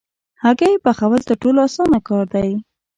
هګۍ پخول تر ټولو اسانه کار دی.